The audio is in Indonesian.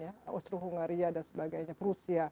austra hungaria dan sebagainya rusia